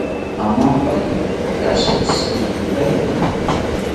Amampaya rashi tsimeripaini